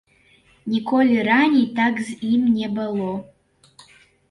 Ніколі раней так з ім не было.